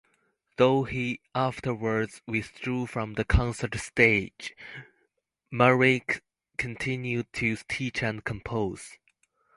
Though he afterwards withdrew from the concert stage, Marek continued to teach and compose.